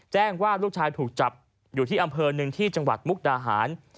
ว่าลูกชายถูกจับอยู่ที่อำเภอหนึ่งที่จังหวัดมุกดาหาร